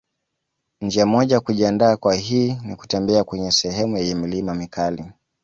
Njia moja ya kujiandaa kwa hii nikutembea kwenye sehemu yenye milima mikali